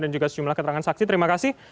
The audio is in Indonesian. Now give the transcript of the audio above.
dan juga sejumlah keterangan saksi terima kasih